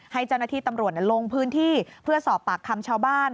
ให้เจ้าหน้าที่ตำรวจลงพื้นที่เพื่อสอบปากคำชาวบ้าน